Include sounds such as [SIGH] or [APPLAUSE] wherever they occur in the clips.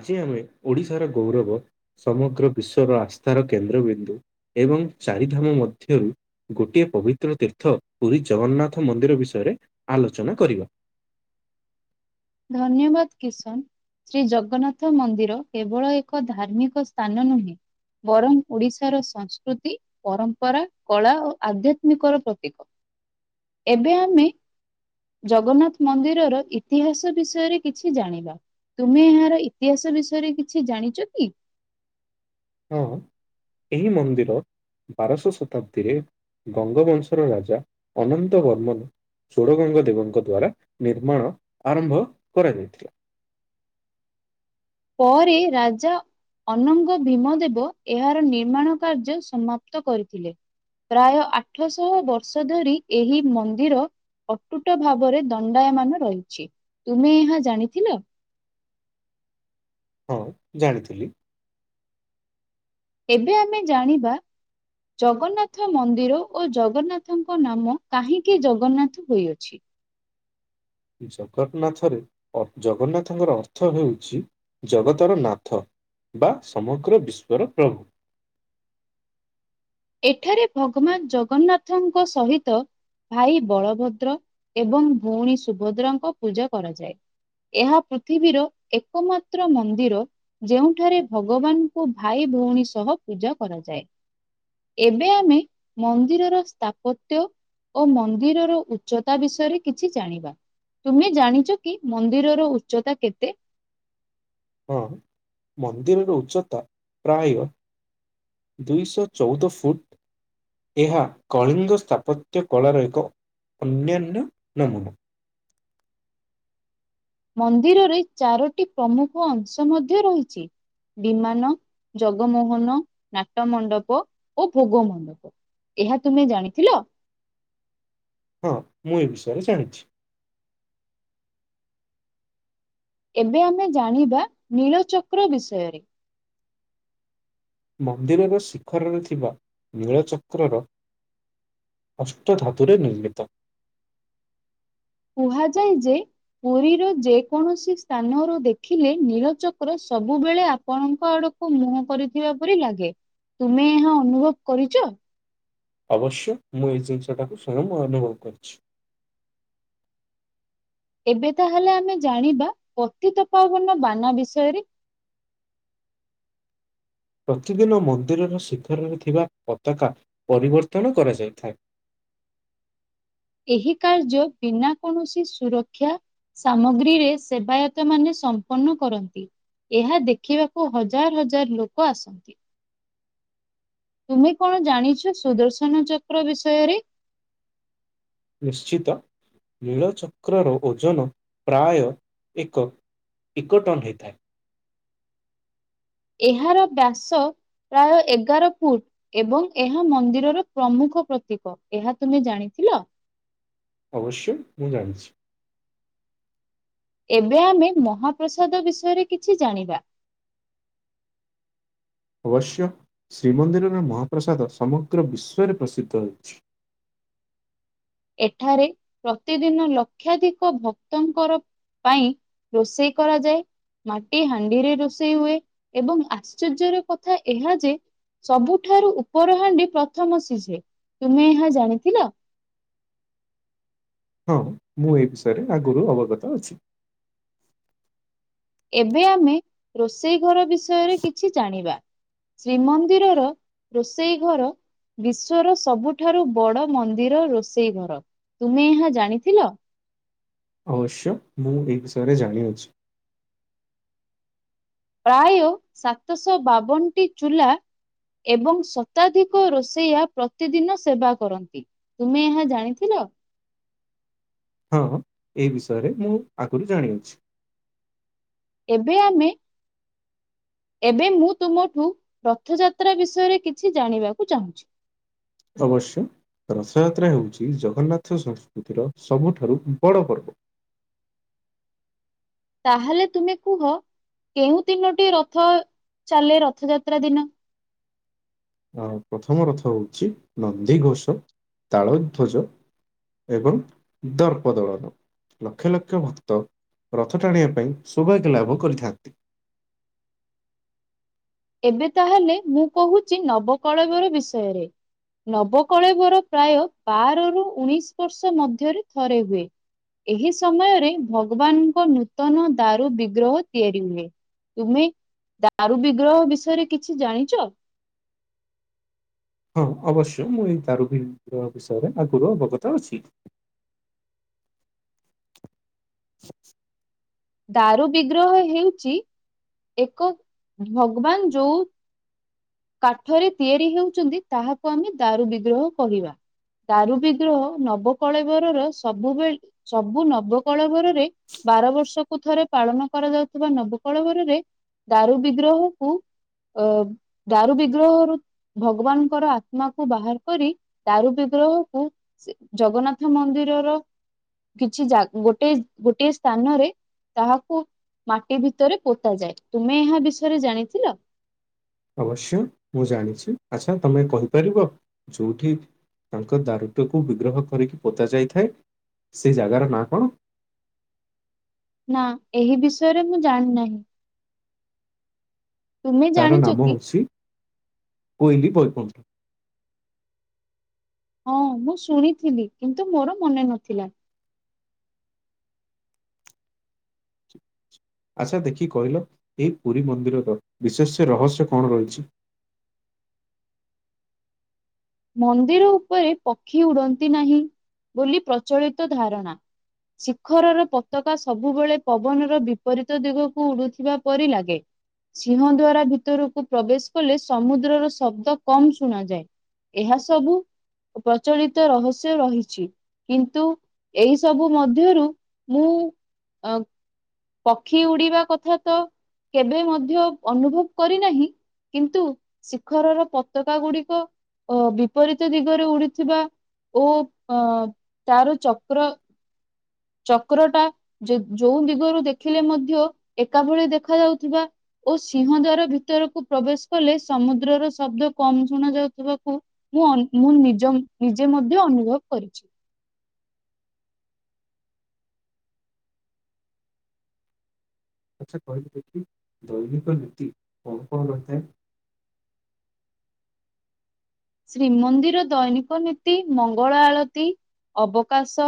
ଆଜି ଆମେ ଓଡ଼ିଶାର ଗୌରବ ସମଗ୍ର ବିଶ୍ଵର ଆସ୍ଥାର କେନ୍ଦ୍ରବିନ୍ଦୁ। ଏବଂ ଚାରିଧାମ ମଧ୍ୟରୁ ଗୋଟିଏ ପବିତ୍ର ତୀର୍ଥ ପୁରୀ ଜଗନ୍ନାଥ ମନ୍ଦିର। ବିଷୟରେ ଆଲୋଚନା କରିବା। ଧନ୍ୟବାଦ କିଶନ। ଶ୍ରୀ ଜଗନ୍ନାଥ ମନ୍ଦିର କେବଳ ଏକ ଧାର୍ମିକ ସ୍ଥାନ ନୁହେଁ। ବରଂ ଓଡ଼ିଶାର ସଂସ୍କୃତି ପରମ୍ପରା କଳା ଓ ଆଧ୍ୟାତ୍ମିକର ପ୍ରତୀକ। ଏବେ ଆମେ ଜଗନ୍ନାଥ ମନ୍ଦିରର ଇତିହାସ ବିଷୟରେ କିଛି ଜାଣିବା ତୁମେ ଏହାର ଇତିହାସ ବିଷୟରେ କିଛି ଜାଣିଛ କି? [INAUDIBLE] ହଁ ଏହି ମନ୍ଦିର ବାରଶ ଶତାବ୍ଦୀରେ ଗଙ୍ଗବଂଶର ରାଜା ଅନନ୍ତ ବର୍ମନ। ଚୋଡ଼ଗଙ୍ଗା ଦେବଙ୍କ ଦ୍ଵାରା ନିର୍ମାଣ ଆରମ୍ଭ କରାଯାଇଥିଲା। ପରେ ରାଜା ଅନଙ୍ଗ ଭୀମଦେବ ଏହାର ନିର୍ମାଣ କାର୍ଯ୍ୟ ସମାପ୍ତ କରିଥିଲେ। ପ୍ରାୟ ଆଠଶହ ବର୍ଷ ଧରି ଏହି ମନ୍ଦିର ଅଟୁଟ ଭାବରେ ଦଣ୍ଡାୟମାନ ରହିଛି ତୁମେ ଏହା ଜାଣିଥିଲ? ହଁ ଜାଣିଥିଲି। ଏବେ ଆମେ ଜାଣିବା। ଜଗନ୍ନାଥ ମନ୍ଦିର ଓ ଜଗନ୍ନାଥଙ୍କ ନାମ କାହିଁକି ଜଗନ୍ନାଥ ହୋଇଅଛି। ଜଗନ୍ନାଥରେ ଜଗନ୍ନାଥଙ୍କର ଅର୍ଥ ହେଉଛି। ଜଗତର ନାଥ ବା ସମଗ୍ର ବିଶ୍ୱର ପ୍ରଭୁ। ଏଠାରେ ଭଗବାନ ଜଗନ୍ନାଥଙ୍କ ସହିତ। ଭାଇ ବଳଭଦ୍ର ଏବଂ ଭଉଣୀ ସୁଭଦ୍ରଙ୍କ ପୂଜା କରାଯାଏ। ଏହା ପୃଥିବୀର ଏକମାତ୍ର ମନ୍ଦିର ଯେଉଁଠାରେ ଭଗବାନଙ୍କୁ ଭାଇ ଭଉଣୀ ସହ ପୂଜା କରାଯାଏ। ଏବେ ଆମେ ମନ୍ଦିରର ସ୍ଥାପତ୍ୟ ଓ ମନ୍ଦିରର ଉଚ୍ଚତା ବିଷୟରେ କିଛି ଜାଣିବା। ତୁମେ ଜାଣିଛ କି ମନ୍ଦିରର ଉଚ୍ଚତା କେତେ? ହଁ ମନ୍ଦିରର ଉଚ୍ଚତା ପ୍ରାୟ ଦୁଇଶହ ଚଉଦ ଫୁଟ। ଏହା କଳିଙ୍ଗ ସ୍ଥାପତ୍ୟ କଳାର ଏକ ଅନ୍ୟାନ ନମନ। ମନ୍ଦିରରେ ଚାରୋଟି ପ୍ରମୁଖ ଅଂଶ ମଧ୍ୟ ରହିଛି। ବିମାନ, ଜଗମୋହନ, ନାଟ ମଣ୍ଡପ ଓ ଭୋଗ ମଣ୍ଡପ। ଏହା ତୁମେ ଜାଣିଥିଲ? ହଁ ମୁଁ ଏ ବିଷୟରେ ଜାଣିଚି। ଏବେ ଆମେ ଜାଣିବା ନୀଳଚକ୍ର ବିଷୟରେ। ମନ୍ଦିରର ଶିଖରରେ ଥିବା ନୀଳଚକ୍ରର ଅଷ୍ଟ ଧାତୁରରେ ନିର୍ମିତ। କୁହାଯାଏ ଯେ ପୁରୀର ଯେ କୌଣସି ସ୍ଥାନରୁ ଦେଖିଲେ ନୀଳଚକ୍ର ସବୁବେଳେ ଆପଣଙ୍କ ଆଡକୁ ମୁହଁ କରିଥିବା ପରି ଲାଗେ। ତୁମେ ଏହା ଅନୁଭବ କରିଚ? ଅବଶ୍ୟ, ମୁଁ ଏଇ ଜିନିଷଟାକୁ ସ୍ଵୟଂ ଅନୁଭବ କରିଛି। ଏବେ ତାହେଲେ ଆମେ ଜାଣିବା, ପତିତପାବନ ବାନା ବିଷୟରେ। [INAUDIBLE] ପ୍ରତିଦିନ ମନ୍ଦିରର ଶିଖରରେ ଥିବା ପତାକା ପରିବର୍ତ୍ତନ କରାଯାଇଥାଏ। ଏହି କାର୍ଯ୍ୟ ବିନା କୌଣସି ସୁରକ୍ଷା ସାମଗ୍ରୀରେ ସେବାୟତ ମାନେ ସମ୍ପନ୍ନ କରନ୍ତି। ଏହା ଦେଖିବାକୁ ହଜାର ହଜାର ଲୋକ ଆସନ୍ତି। ତୁମେ କଣ ଜାଣିଛ ସୁଦର୍ଶନ ଚକ୍ର ବିଷୟରେ? ନିଶ୍ଚିତ। ନୀଳଚକ୍ରର ଓଜନ ପ୍ରାୟ ଏକ ଏକଟନ୍ ହେଇଥାଏ। ଏହାର ବ୍ୟାସ ପ୍ରାୟ ଏଗାର ଫୁଟ ଏବଂ ଏହା ମନ୍ଦିରର ପ୍ରମୁଖ ପ୍ରତୀକ। ଏହା ତୁମେ ଜାଣିଥିଲ? [INAUDIBLE] ଅବଶ୍ୟ, ମୁଁ ଜାଣିଚି। ଏବେ ଆମେ ମହାପ୍ରସାଦ ବିଷୟରେ କିଛି ଜାଣିବା। ଅବଶ୍ୟ, ଶ୍ରୀମନ୍ଦିରର ମହାପ୍ରସାଦ ସମଗ୍ର ବିଶ୍ଵରେ ପ୍ରସିଦ୍ଧ ହୋଇଛି। ଏଠାରେ ପ୍ରତିଦିନ ଲକ୍ଷାଧିକ ଭକ୍ତଙ୍କର ପାଇଁ ରୋଷେଇ କରାଯାଏ। ମାଟି ହାଣ୍ଡିରେ ରୋଷେଇ ହୁଏ। ଏବଂ ଆଶ୍ଚର୍ଯ୍ୟର କଥା ଏହା ଯେ ସବୁଠାରୁ ଉପରହାଣ୍ଡି ପ୍ରଥମ ସିଝେ। ତୁମେ ଏହା ଜାଣିଥିଲ? ହଁ, ମୁଁ ଏ ବିଷୟରେ ଆଗରୁ ଅବଗତ ଅଛି। ଏବେ ଆମେ ରୋଷେଇ ଘର ବିଷୟରେ କିଛି ଜାଣିବା। ଶ୍ରୀମନ୍ଦିରର ରୋଷେଇ ଘର ବିଶ୍ଵର ସବୁଠାରୁ ବଡ ମନ୍ଦିର ରୋଷେଇ ଘର। ତୁମେ ଏହା ଜାଣିଥିଲ? ଅବଶ୍ୟ, ମୁଁ ଏ ବିଷୟରେ ଜାଣିଅଛି। ପ୍ରାୟ ସାତଶହ ବାବନଟି ଚୁଲା ଏବଂ ଶତାଧିକ ରୋଷେଇଆ ପ୍ରତିଦିନ ସେବା କରନ୍ତି। ତୁମେ ଏହା ଜାଣିଥିଲ? [UNINTELLIGIBLE] ହଁ, ଏ ବିଷୟରେ ମୁଁ ଆଗରୁ ଜାଣିଅଛି। ଏବେ ଆମେ ଏବେ ମୁଁ ତୁମଠୁ ରଥଯାତ୍ରା ବିଷୟରେ କିଛି ଜାଣିବାକୁ ଚାହୁଁଛି? ଅବଶ୍ୟ। ରଥଯାତ୍ରା ହେଉଛି ଜଗନ୍ନାଥ ସଂସ୍କୃତିର ସବୁଠାରୁ ବଡ଼ ପର୍ବ। ତାହେଲେ ତୁମେ କୁହ କେଉଁ ତିନୋଟି ରଥ ଚାଲେ ରଥଯାତ୍ରା ଦିନ? ଆ ପ୍ରଥମ ରଥ ହଉଛି ନନ୍ଦିଘୋଷ, ତାଳ ଧ୍ୱଜ ଏବଂ ଦର୍ପ ଦଳନ। ଲକ୍ଷ ଲକ୍ଷ ଭକ୍ତ ରଥ ଟାଣିବା ପାଇଁ ସୌଭାଗ୍ୟ ଲାଭ କରିଥାନ୍ତି। ଏବେ ତାହାଲେ ମୁଁ କହୁଛି ନବକଳବର ବିଷୟରେ। ନବକଳେବର ପ୍ରାୟ ବାରରୁ ଉଣେଇଶ ବର୍ଷ ମଧ୍ୟରେ ଥରେ ହୁଏ। ଏହି ସମୟରେ ଭଗବାନଙ୍କ ନୂତନ ଦାରୁ ବିଗ୍ରହ ତିଆରି ହୁଏ। ତୁମେ ଦାରୁ ବିଗ୍ରହ ବିଷୟରେ କିଛି ଜାଣିଛ? ହଁ ଅବଶ୍ୟ, ମୁଁ ଏଇ ଦାରୁ ଭି ବିଷୟରେ ଆଗରୁ ଅବଗତ ଅଛି। [INAUDIBLE] [UNINTELLIGIBLE] ଦାରୁ ବିଗ୍ରହ ହେଉଛି ଏକ, ଭଗବାନ ଯୋଉ କାଠରେ ତିଆରି ହେଉଛନ୍ତି, ତାହାକୁ ଆମେ ଦାରୁ ବିଗ୍ରହ କହିବା। ଦାରୁ ବିଗ୍ରହ ନବକଳବରରେ ସବୁବେଳେ ସବୁ ନବକଳେବରରେ ବାର ବର୍ଷକୁ ଥରେ ପାଳନ କରାଯାଉଥିବା ନବକଳବରରେ ଦାରୁ ବିଗ୍ରହକୁ ଅ ଦାରୁ ବିଗ୍ରହରୁ ଭଗବାନଙ୍କର ଆତ୍ମାକୁ ବାହାର କରି ଦାରୁ ବିଗ୍ରହକୁ ଜଗନ୍ନାଥ ମନ୍ଦିରର କିଛି ଗୋଟେ ଗୋଟଏ ସ୍ଥାନରେ ତାହାକୁ ମାଟି ଭିତରେ ପୋତା ଯାଏ, ତୁମେ ଏହା ବିଷୟରେ ଜାଣିଥିଲ? ଅବଶ୍ୟ ମୁଁ ଜାଣିଛି, ଆଛା ତମେ କହିପାରିବ ଯୋଉଠି ତାଙ୍କ ଦାରୁତ୍ୟକୁ ବିଗ୍ରହ କରିକି ପୋତା ଯାଇଥାଏ ସେ ଜାଗାର ନାଁ କଣ? ନା ଏହି ବିଷୟରେ ମୁଁ ଜାଣି ନାହିଁ। ତାର ଜାଣିଛ ନାମ କି? ହଉଛି କୋଇଲି ବୈକୁଣ୍ଠ। ହଁ ମୁଁ ଶୁଣିଥିଲି କିନ୍ତୁ ମୋର ମନେ ନଥିଲା। ଆଛା, ଦେଖି କହିଲ ଏହି ପୁରୀ ମନ୍ଦିରର ବିଶେଷ ରହସ୍ୟ କଣ ରହିଛି? [INAUDIBLE] ମନ୍ଦିର ଉପରେ ପକ୍ଷୀ ଉଡନ୍ତି ନାହିଁ ବୋଲି ପ୍ରଚଳିତ ଧାରଣା ଶିଖରର ପତାକା ସବୁବେଳେ ପବନର ବିପରୀତ ଦିଗକୁ ଉଡୁଥିବା ପରି ଲାଗେ। ସିଂହ ଦ୍ୱାରା ଭିତରକୁ ପ୍ରବେଶ କଲେ ସମୁଦ୍ରର ଶବ୍ଦ କମ୍ ଶୁଣାଯାଏ। ଏହା ସବୁ ପ୍ରଚଳିତ ରହସ୍ୟ ରହିଛି। କିନ୍ତୁ ଏଇ ସବୁ ମଧ୍ୟରୁ ମୁଁ ଅ ପକ୍ଷୀ ଉଡିବା କଥା ତ କେବେ ମଧ୍ୟ ଅନୁଭବ କରିନାହିଁ କିନ୍ତୁ ଶିଖରର ପତାକା ଗୁଡିକ ଅ ବିପରୀତ ଦିଗରେ ଉଡିଥିବା ଓ ଅ ତାର ଚକ୍ର ଚକ୍ରଟା ଯୋଉ ଦିଗରୁ ଦେଖିଲେ ମଧ୍ୟ ଏକା ଭଳି ଦେଖାଯାଉଥିବା। ଓ ସିଂହ ଦ୍ୱାର ଭିତରକୁ ପ୍ରବେଶ କଲେ, ସମୁଦ୍ରର ଶବ୍ଦ କମ ଶୁଣା ଯାଉଥିବା ମୁଁ ନିଜେ ମଧ୍ୟ ଅନୁଭବ କରିଛି। [INAUDIBLE] ଆଛା କହିଲି ଦେଖି ଦୈନିକ ନୀତି କଣ କଣ ରହିଥାଏ? [INAUDIBLE] ଶ୍ରୀମନ୍ଦିର ଦୈନିକ ନୀତି ମଙ୍ଗଳ ଆଳତି ଅବକାଶ,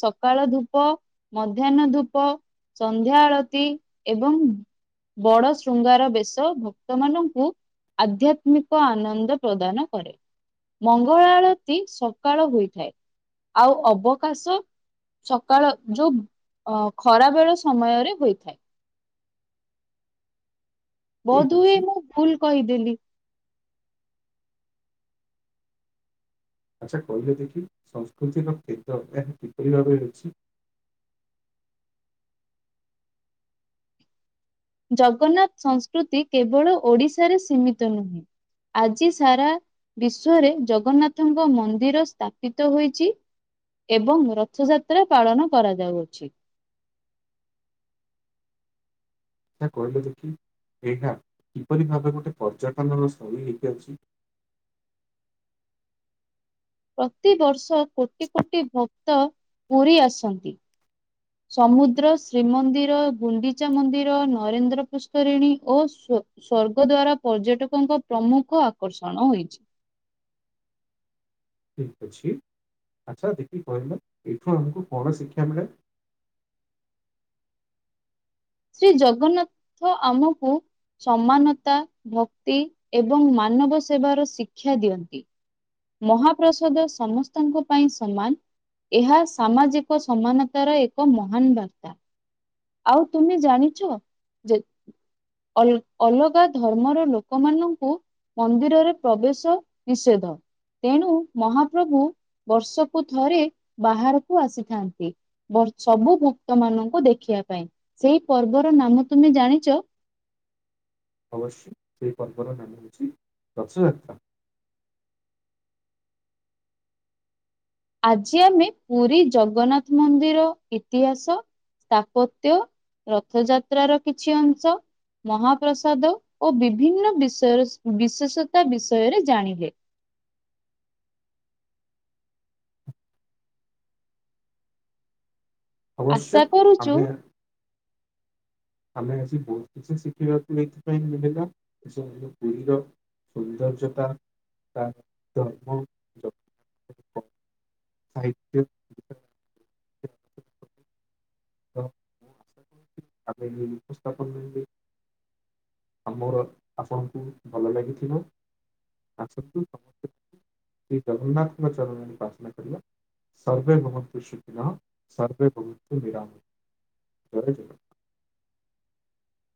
ସକାଳ ଧୂପ, ମଧ୍ୟାହ୍ନ ଧୂପ ସନ୍ଧ୍ୟା ଆଳତି ଏବଂ ବଡ ଶୃଙ୍ଗାର ବେଶ ଭକ୍ତ ମାନଙ୍କୁ ଆଧ୍ୟାତ୍ମିକ ଆନନ୍ଦ ପ୍ରଦାନ କରେ, ମଙ୍ଗଳଆଳତି ସକାଳ ହୋଇଥାଏ। ଆଉ ଅବକାଶ ସକାଳ ଯୋଉ ଅ ଖରା ବେଳ ସମୟରେ ହୋଇଥାଏ। ଠିକ୍ ବୋଧହୁଏ ଅଛି ମୁଁ ଭୁଲ କହିଦେଲି। ଆଛା କହିଲ ଦେଖି ସଂସ୍କୃତିର କେତେ ଅଭ୍ୟାସ କିପରି ଭାବେହୋଇଛି? [INAUDIBLE] ଜଗନ୍ନାଥ ସଂସ୍କୃତି କେବଳ ଓଡ଼ିଶାରେ ସୀମିତ ନୁହେଁ ଆଜି ସାରା ବିଶ୍ଵରେ ଜଗନ୍ନାଥଙ୍କ ମନ୍ଦିର ସ୍ଥାପିତ ହୋଇଛି। ଏବଂ ରଥଯାତ୍ରା ପାଳନ କରାଯାଉଅଛି। ତା କହିଲୁ ଦେଖି ଏହା କିପରି ଭାବେ ଗୋଟେ ପର୍ଯ୍ୟଟନର ସ୍ଥଳି ହେଇ ପାରୁଛି। [INAUDIBLE] ପ୍ରତିବର୍ଷ କୋଟି କୋଟି ଭକ୍ତ ପୁରୀ ଆସନ୍ତି। ସମୁଦ୍ର ଶ୍ରୀମନ୍ଦିର ଗୁଣ୍ଡିଚା ମନ୍ଦିର ନରେନ୍ଦ୍ର ପୁଷ୍କରିଣୀ ଓ ସ୍ୱର୍ଗ ଦ୍ୱାରା ପର୍ଯ୍ୟଟକଙ୍କ ପ୍ରମୁଖ ଆକର୍ଷଣ ହୋଇଛି। [INAUDIBLE] ଠିକ ଅଛି। ଆଚ୍ଛା ଦେଖି କହିଲ ଏଇଠୁ ଆମକୁ କଣ ଶିକ୍ଷା ମିଳେ? [INAUDIBLE] ଶ୍ରୀ ଜଗନ୍ନାଥ ଆମକୁ ସମାନତା ଭକ୍ତି ଏବଂ ମାନବ ସେବାର ଶିକ୍ଷା ଦିଅନ୍ତି। ମହାପ୍ରସାଦ ସମସ୍ତଙ୍କ ପାଇଁ ସମାନ। ଏହା ସାମାଜିକ ସମାନତାର ଏକ ମହାନ ବାର୍ତ୍ତା। ଆଉ ତୁମେ ଜାଣିଛ ଯେ ଅଲ ଅଲଗା ଧର୍ମର ଲୋକମାନଙ୍କୁ ମନ୍ଦିରରେ ପ୍ରବେଶ ନିଷେଧ। ତେଣୁ ମହାପ୍ରଭୁ ବର୍ଷକୁ ଥରେ ବାହାରକୁ ଆସିଥାନ୍ତି। ସବୁ ଭକ୍ତ ମାନଙ୍କୁ ଦେଖିବା ପାଇଁ ସେଇ ପର୍ବ ର ନାମ ତୁମେ ଜାଣିଛ? ଅବଶ୍ୟ ସେହି ପର୍ବର ନାମ ହେଉଛି ରଥଯାତ୍ରା। ଆଜି ଆମେ ପୁରୀ ଜଗନ୍ନାଥ ମନ୍ଦିର ଇତିହାସ ସ୍ଥାପତ୍ୟ ରଥଯାତ୍ରାର କିଛି ଅଂଶ ମହାପ୍ରସାଦ ଓ ବିଭିନ୍ନ ବିଷୟ ବିଶେଷତା ବିଷୟରେ ଜାଣିଲେ। [INAUDIBLE] ଅବଶ୍ୟ ଆଶା କରୁଛୁ ଆମେ ଆମେ ଆଜି ବହୁତ କିଛି ଶିଖିବାକୁ ଏଇଥିପାଇଁ ମିଳିଲା ପୁରୀର ସୌନ୍ଦର୍ଯ୍ୟତା ତା ଧର୍ମ ଯ ସାହିତ୍ୟ [UNINTELLIGIBLE] ତ ମୁ ଆସା କରୁଛି [UNINTELLIGIBLE] ଉପସ୍ଥାପନ ମିଳିଲେ ଆମର ଆପଣଙ୍କୁ ଭଲ ଲାଗିିଥିବ ଆସନ୍ତୁ ସମସ୍ତେ ମି ଶ୍ରୀ ଜଗନ୍ନାଥଙ୍କ ଚରଣ ରେ ପ୍ରାଥନା କରିବା ସର୍ବେ ଭବନ୍ତୁ ସୁଖିନ ସର୍ବେ ସବାନ୍ତୁ ନିରାମୟା। [UNINTELLIGIBLE] [INAUDIBLE]